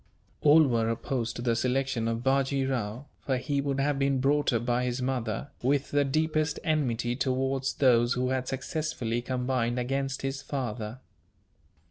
All were opposed to the selection of Bajee Rao; for he would have been brought up by his mother, with the deepest enmity towards those who had successfully combined against his father.